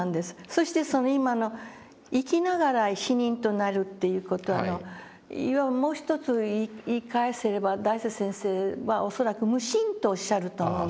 そしてその今の生きながら死人となるっていう事の要はもう一つ言いかえすれば大拙先生は恐らく「無心」とおっしゃると思うんです。